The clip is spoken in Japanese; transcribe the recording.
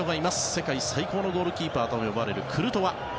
世界最高のゴールキーパーともいわれるクルトワ。